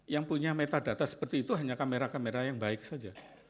yang punya metadata seperti itu hanya kamera kamera yang baik saja